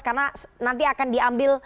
karena nanti akan diambil